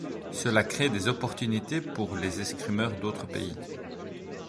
Cela crée des opportunités pour les escrimeurs d'autres pays.